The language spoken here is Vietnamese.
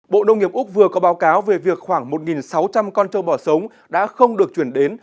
bộ nông nghiệp úc vừa có báo cáo về việc khoảng một sáu trăm linh con trâu bò sống đã không được chuyển đến